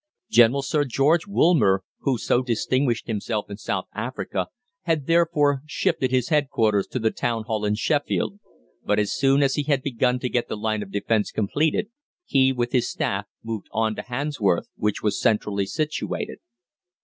General Sir George Woolmer, who so distinguished himself in South Africa, had therefore shifted his headquarters to the Town Hall in Sheffield, but as soon as he had begun to get the line of defence completed, he, with his staff, moved on to Handsworth, which was centrally situated.